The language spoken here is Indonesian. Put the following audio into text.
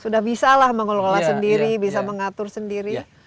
sudah bisa lah mengelola sendiri bisa mengatur sendiri